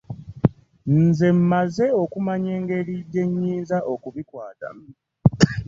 Nze mmaze okumanya engeri gye nnyinza okubikwatamu.